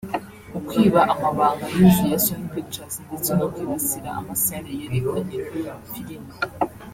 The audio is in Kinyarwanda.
ukwiba amabanga y’inzu ya Sony Pictures ndetse no kwibasira ama sale yerekanye filime